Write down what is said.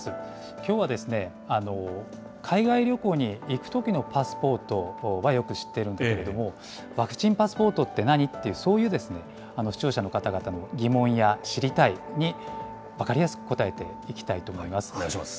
きょうはですね、海外旅行に行くときのパスポートはよく知っているんですけれども、ワクチンパスポートって何？って、そういう視聴者の方々の疑問や知りたいに分かりやすく答えていきお願いします。